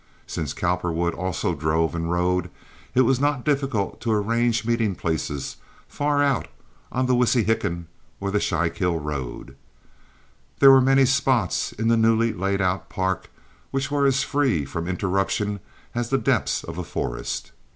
Since Cowperwood also drove and rode, it was not difficult to arrange meeting places far out on the Wissahickon or the Schuylkill road. There were many spots in the newly laid out park, which were as free from interruption as the depths of a forest.